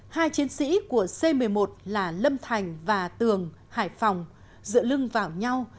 hai chiến sĩ của c một mươi một là lâm thành và tường hải phòng dựa lưng vào nhau